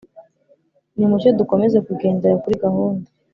nimucyo dukomeze kugendera kuri gahunda